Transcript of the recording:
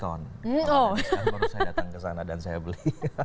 kalau ada yang diskon baru saya datang ke sana dan saya beli